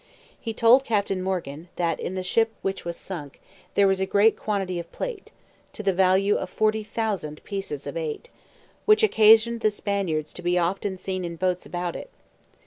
He told Captain Morgan, that, in the ship which was sunk, there was a great quantity of plate, to the value of forty thousand pieces of eight; which occasioned the Spaniards to be often seen in boats about it.